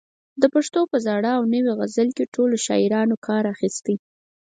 د پښتو په زاړه او نوي غزل کې ټولو شاعرانو کار اخیستی.